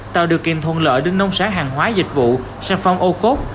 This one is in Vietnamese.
tạo điều kiện thuận lợi đưa nông sản hàng hóa dịch vụ sản phẩm ô cốt